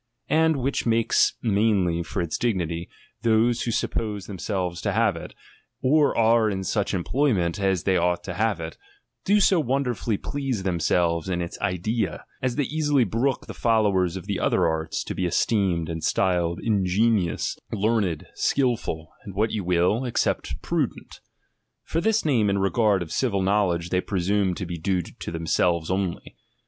And, which makes mainly for its dignity, those who suppose themselves to have it, or are in such employment as they ouglit to have it, do so wonderfidly please tliemselves in its idea, as they easily brook the followers of other arts to be esteemed and styled in genuous, learned, skilful, and what you wUl, except prudent : for this name, in regard of civil know ledge, they i)re8ume to be due to themselves only.